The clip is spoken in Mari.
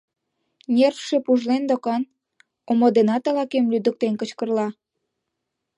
Нервше пужлен докан, омо денат ала-кӧм лӱдыктен кычкырла...